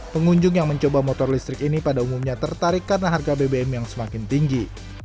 pengunjung yang mencoba motor listrik ini pada umumnya tertarik karena harga bbm yang semakin tinggi